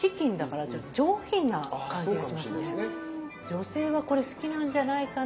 女性はこれ好きなんじゃないかなと。